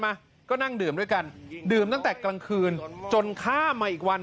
มาก็นั่งดื่มด้วยกันดื่มตั้งแต่กลางคืนจนข้ามมาอีกวัน